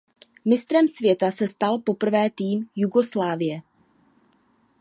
Mistrem světa se stal poprvé tým Jugoslávie.